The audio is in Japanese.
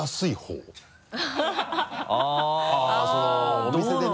お店でね。